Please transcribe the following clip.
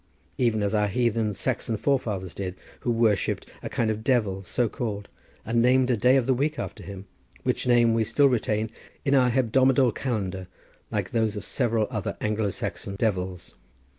even as our heathen Saxon forefathers did, who worshipped a kind of Devil so called and named a day of the week after him, which name we still retain in our hebdomadal calendar like those of several other Anglo Saxon devils.